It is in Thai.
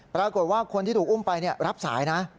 ปรากฏว่าคนที่ถูกอุ้มไปรับสายนะ